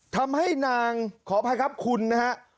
ทำให้นางขออภัยครับคุณนะฮะ